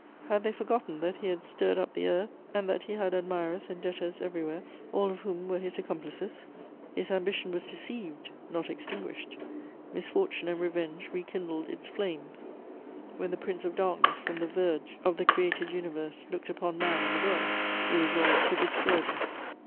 Had they forgotten that he had stirred up the earth and that he had admirers and debtors everywhere, all of whom were his accomplices? His ambition was deceived, not extinguished; misfortune and revenge rekindled its flames: when the Prince of Darkness from the verge of the created universe looked upon man and the world, he resolved to destroy them.